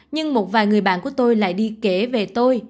nhưng một vài người bạn của tôi lại đi kể về tôi